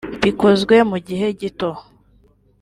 bikozwe mu gihe gito